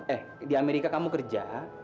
eh di amerika kamu kerja